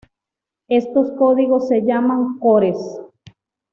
Estos códigos se llaman "cores".